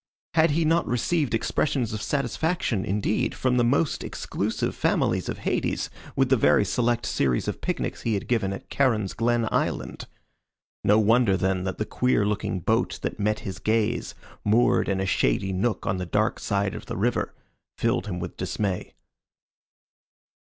Had he not received expressions of satisfaction, indeed, from the most exclusive families of Hades with the very select series of picnics he had given at Charon's Glen Island? No wonder, then, that the queer looking boat that met his gaze, moored in a shady nook on the dark side of the river, filled him with dismay.